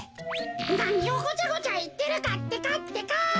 なにをごちゃごちゃいってるかってかってか。